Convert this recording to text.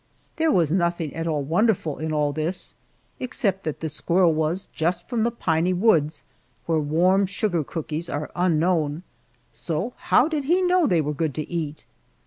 There was nothing at all wonderful in all this, except that the squirrel was just from the piney woods where warm sugar cakes are unknown, so how did he know they were good to eat?